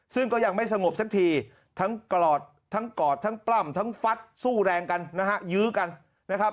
ซึ่งก็ยังไม่สงบสักทีทั้งกอดทั้งกอดทั้งปล้ำทั้งฟัดสู้แรงกันนะฮะยื้อกันนะครับ